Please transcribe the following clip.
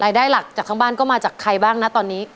ได้หลักจากข้างบ้านก็มาจากใครบ้างนะตอนนี้